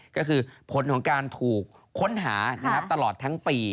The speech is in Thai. ก็คือผลของการถูกค้นหาตลอดทั้งปี